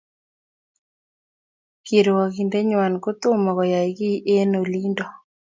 Kirwangindet nywan ko toma koyay ki eng olindo